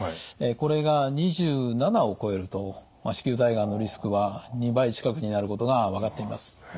これが２７を超えると子宮体がんのリスクは２倍近くになることが分かっています。